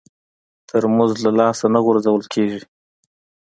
ترموز له لاسه نه غورځول کېږي.